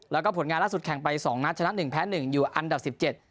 แล้วก็ผลงานล่าสุดแข่งไป๒นัดชนะ๑แพ้๑อยู่อันดับ๑๗